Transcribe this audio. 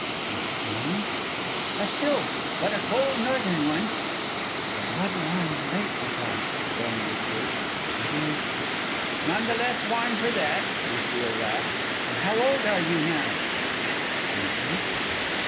"Sixteen." "A sylph, but a cold northern one." "The blood warms late with us," Frona reproved; "but is " "None the less warm for that," Lucile laughed. "And how old are you now?" "Twenty."